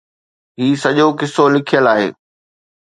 هي سڄو قصو لکيل آهي.